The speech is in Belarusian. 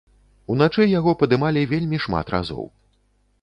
Уначы яго падымалі вельмі шмат разоў.